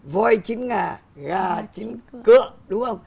voi chín ngà gà chín cỡ